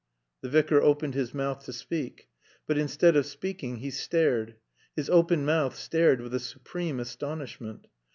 The Vicar opened his mouth to speak; but instead of speaking he stared. His open mouth stared with a supreme astonishment.